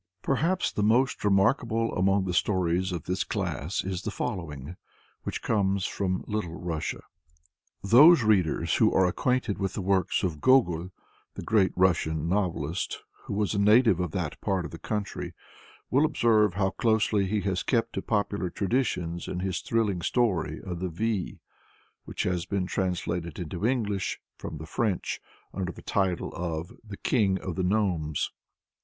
Perhaps the most remarkable among the stories of this class is the following, which comes from Little Russia. Those readers who are acquainted with the works of Gogol, the great Russian novelist, who was a native of that part of the country, will observe how closely he has kept to popular traditions in his thrilling story of the Vy, which has been translated into English, from the French, under the title of "The King of the Gnomes."